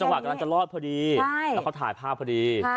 อ๋อจังหวะกำลังจะรอดพอดีแล้วเขาถ่ายภาพพอดี